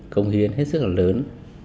công hiến hết sức là lớn